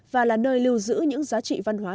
và là nơi lưu giữ những giá trị văn hóa